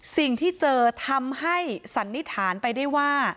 สิ่งที่เจอทำให้สันนิษฐานไปได้ว่า